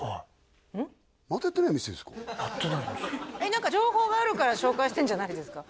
何か情報があるから紹介してるんじゃないんですか？